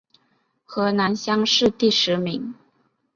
河南乡试第十名。